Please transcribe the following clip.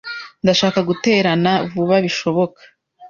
Ndashaka guterana vuba bishoboka.